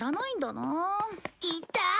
いた！